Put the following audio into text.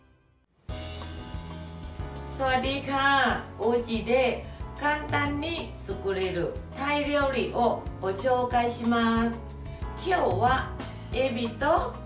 おうちで簡単に作れるタイ料理をご紹介します。